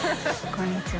こんにちは。